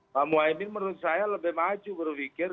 pak muhaymin menurut saya lebih maju berpikir